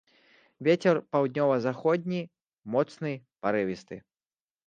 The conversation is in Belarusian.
Вецер паўднёва-заходні моцны парывісты.